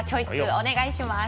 お願いします。